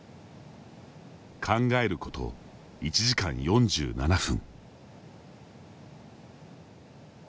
考えること、１時間４７分。